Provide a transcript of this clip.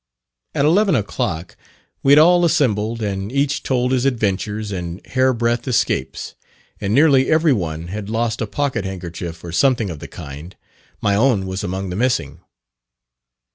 At eleven o'clock we had all assembled, and each told his adventures and "hairbreadth escapes;" and nearly every one had lost a pocket handkerchief or something of the kind: my own was among the missing.